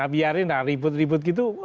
biarin lah ribut ribut gitu